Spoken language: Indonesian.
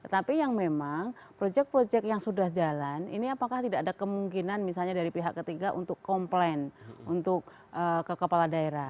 tapi yang memang proyek proyek yang sudah jalan ini apakah tidak ada kemungkinan misalnya dari pihak ketiga untuk komplain untuk ke kepala daerah